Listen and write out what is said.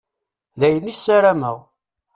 D ayen i ssarameɣ.